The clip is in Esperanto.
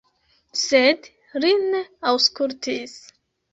Sed li ne aŭskultis.